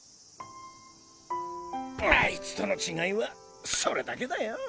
あいつとの違いはそれだけだよ。